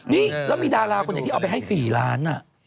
นี่แล้วมีดาราคนไหนที่เอาไปให้๔ล้าน